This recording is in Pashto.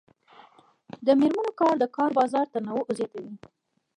د میرمنو کار د کار بازار تنوع زیاتوي.